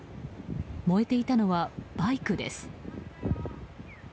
燃えていたのはバイクです。